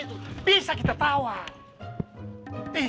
lapi ada juga nyata nyata movement